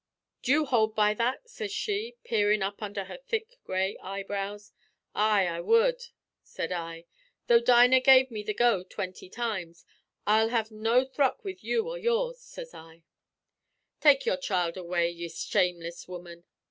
'D'you hould by that?' sez she, peerin' up under her thick gray eyebrows. "'Ay, an' wud,' said I, 'Tho' Dinah gave me the go twinty times. I'll have no thruck with you or yours,' sez I. 'Take your child away, ye shameless woman!'